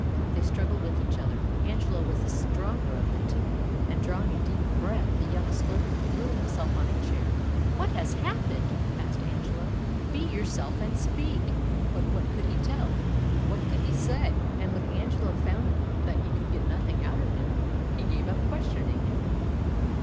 " They struggled with each other. Angelo was the stronger of the two, and, drawing a deep breath, the young sculptor threw himself on a chair. " What has happened? " asked Angelo. *' Be yourself, and speak." PSYCHE 109 But what could he tell? what could he say? And when Angelo found that he could get nothing out of him, he gave up questioning him.